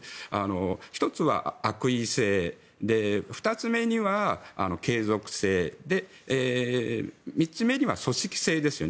１つは悪意性２つ目には継続性３つ目には組織性ですよね。